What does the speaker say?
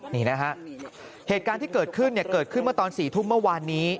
นี่นะฮะเหตุการณ์ที่เกิดขึ้นเนี่ยเกิดขึ้นเมื่อตอน๔ทุ่มเมื่อวานนี้